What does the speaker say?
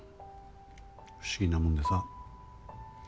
不思議なもんでさ。